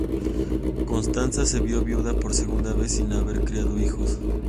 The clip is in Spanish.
Constanza se vio viuda por segunda vez y sin haber criado hijos.